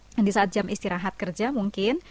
dan di saat jam istirahat kerja mungkin